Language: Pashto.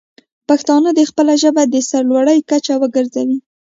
پښتانه دې خپله ژبه د سر لوړۍ کچه وګرځوي.